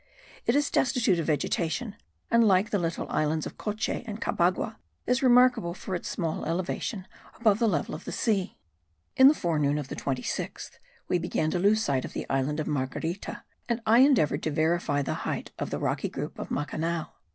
It is destitute of vegetation; and like the little islands of Coche and Cabagua is remarkable for its small elevation above the level of the sea. In the forenoon of the 26th we began to lose sight of the island of Marguerita and I endeavoured to verify the height of the rocky group of Macanao.